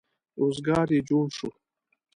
روزګار یې جوړ شو.